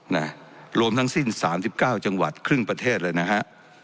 เนี่ยรวมทั้งสิ้น๓๙จังหวัดครึ่งประเทศเลยนะฮะ